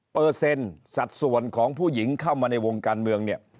เปอร์เซ็นต์สัดส่วนของผู้หญิงเข้ามาในวงการเมืองเนี่ย